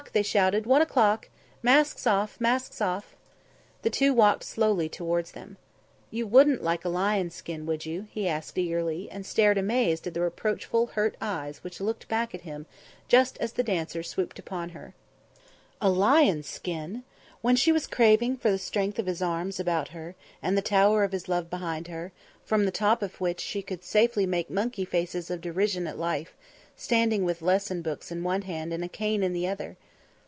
they shouted. "One o'clock. Masks off; masks off!" The two walked slowly towards them. "You would like a lion's skin, wouldn't you?" he asked eagerly, and stared amazed at the reproachful, hurt eyes which looked back at him just as the dancers swooped upon her. A lion's skin! When she was craving for the strength of his arms about her, and the tower of his love behind her, from the top of which she could safely make monkey faces of derision at Life, standing with lesson books in one hand and a cane in the other.